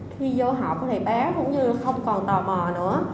khi vô học thì bé cũng như không còn tò mò nữa